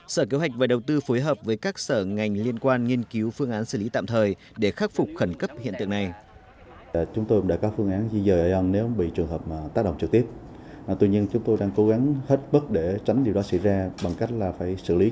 sở kế hoạch và đầu tư phối hợp với các sở ngành liên quan nghiên cứu phương án xử lý tạm thời để khắc phục khẩn cấp hiện tượng này